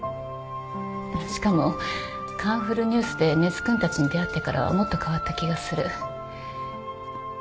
しかも『カンフルＮＥＷＳ』で根津君たちに出会ってからはもっと変わった気がする。